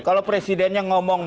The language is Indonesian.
kalau presidennya ngomong